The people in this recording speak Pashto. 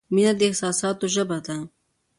• مینه د احساساتو ژبه ده.